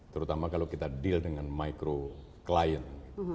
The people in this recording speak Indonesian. terutama kalau kita deal dengan micro clien